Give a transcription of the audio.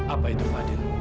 apa itu fadil